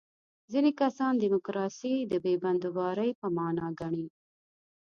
ځینې کسان دیموکراسي د بې بندوبارۍ په معنا ګڼي.